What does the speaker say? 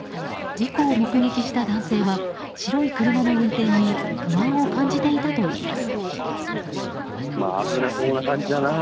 事故を目撃した男性は白い車の運転に不安を感じていたといいます。